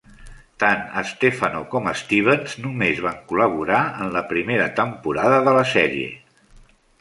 Tant Stefano com Stevens només van col·laborar en la primera temporada de la sèrie.